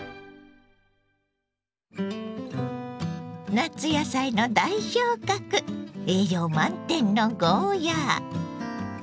夏野菜の代表格栄養満点のゴーヤー。